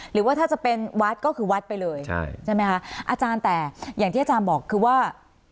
หรือว่าถ้าจะเป็นวัดก็คือวัดไปเลยใช่ไหมคะอาจารย์แต่อย่างที่อาจารย์บอกคือว่า